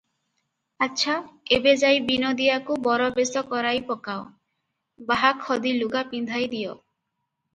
"ଆଚ୍ଛା, ଏବେ ଯାଇ ବିନୋଦିଆକୁ ବରବେଶ କରାଇ ପକାଅ, ବାହା ଖଦି ଲୁଗା ପିନ୍ଧାଇ ଦିଅ ।"